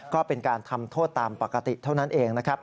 ก็เป็นการทำโทษตามปกติเท่านั้นเองนะครับ